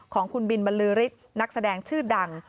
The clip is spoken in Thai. ของคุณบินบรรลือฤทธิ์นักแสดงชื่อดัง